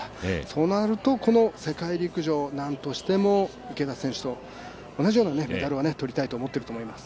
そうなると、この世界陸上なんとしても池田選手と同じようなメダルを取りたいと思っていると思います。